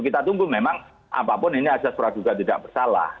kita tunggu memang apapun ini ada surat juga tidak bersalah